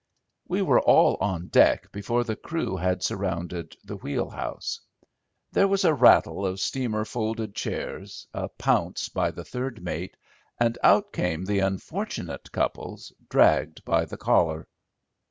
We were all on deck before the crew had surrounded the wheelhouse. There was a rattle of steamer folded chairs, a pounce by the third mate, and out came the unfortunate Cupples, dragged by the collar.